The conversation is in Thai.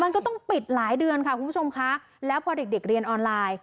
มันก็ต้องปิดหลายเดือนค่ะคุณผู้ชมค่ะแล้วพอเด็กเด็กเรียนออนไลน์